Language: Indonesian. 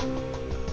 bisa mencari koneksi